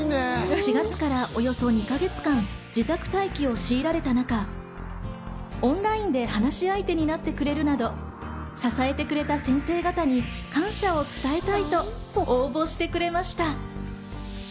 ４月からおよそ２か月間、自宅待機を強いられた中、オンラインで話し相手になってくれるなど、支えてくれた先生方に感謝を伝えたいと応募してくれました。